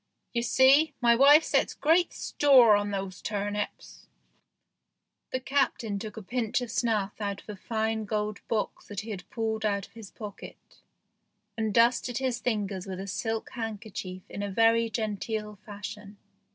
You see, my wife sets great store on these turnips." The captain took a pinch of snuff out of a fine gold box that he pulled out of his pocket, and dusted his fingers with a silk handkerchief in a very genteel fashion.